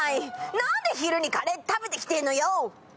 何で昼にカレー食べてきてんのよぅ！